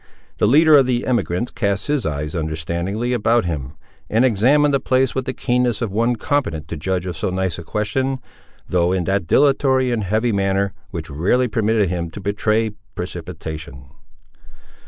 The leader of the emigrants cast his eyes, understandingly, about him, and examined the place with the keenness of one competent to judge of so nice a question, though in that dilatory and heavy manner, which rarely permitted him to betray precipitation.